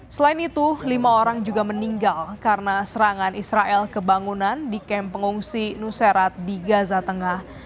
selain itu lima orang juga meninggal karena serangan israel kebangunan di kamp pengungsi nuserat di gaza tengah